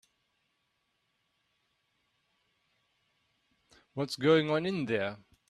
What's going on in there?